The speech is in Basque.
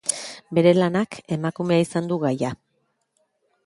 Bere lanak emakumea izan du gaia.